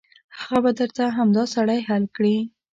هغه به درته همدا سړی حل کړي.